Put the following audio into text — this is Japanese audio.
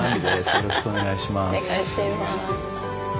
よろしくお願いします。